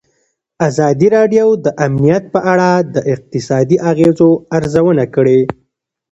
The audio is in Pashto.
ازادي راډیو د امنیت په اړه د اقتصادي اغېزو ارزونه کړې.